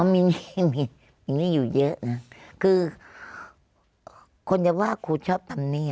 มีมีหนี้อยู่เยอะนะคือคนจะว่าครูชอบทำหนี้